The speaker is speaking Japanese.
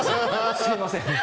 すみません。